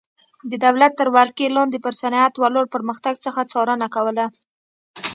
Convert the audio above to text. د دولت تر ولکې لاندې پر صنعت ولاړ پرمختګ څخه څارنه کوله.